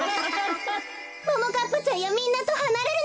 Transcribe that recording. ももかっぱちゃんやみんなとはなれるなんていや！